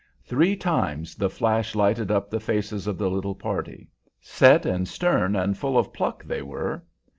Three times the flash lighted up the faces of the little party; set and stern and full of pluck they were.